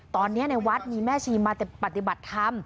ตอนนี้ในวัดมีแม่ชีมาปฏิบัติธรรม